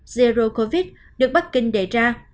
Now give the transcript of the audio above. zero covid được bắc kinh đề ra